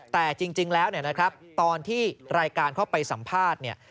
แต่จริงแล้วเนี่ยนะครับตอนที่รายการเข้าไปสัมภาษณ์เนี่ย